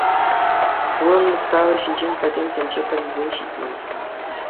Унӑн мухтавӗ ҫинчен пӗтӗм тӗнче пӗлсе ҫитнӗ.